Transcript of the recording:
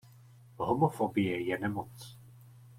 Homofobie je nemoc.